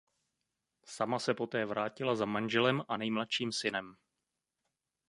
Sama se poté vrátila za manželem a nejmladším synem.